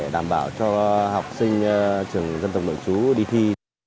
đảm bảo cho học sinh trường dân tộc nội chú đi thi